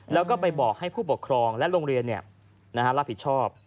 แล้วก็ไปบอกให้ผู้ปกครองและโรงเรียนรับผิดชอบ